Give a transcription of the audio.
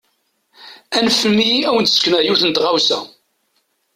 Anfem-iyi ad wen-d-sekneɣ yiwet n tɣawsa.